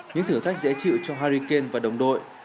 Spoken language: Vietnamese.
những thử thách dễ chịu cho hariken và đồng đội